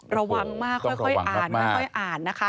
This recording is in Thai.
ระวังมากค่อยอ่าน